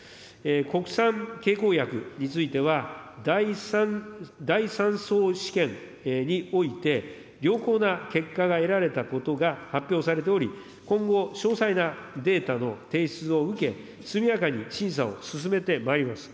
国産経口薬については、第三相試験において、良好な結果が得られたことが発表されており、今後、詳細なデータの提出を受け、速やかに審査を進めてまいります。